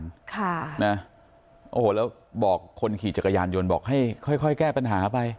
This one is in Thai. ค่ะนะโอ้โหแล้วบอกคนขี่จักรยานยนต์บอกให้ค่อยค่อยแก้ปัญหาไป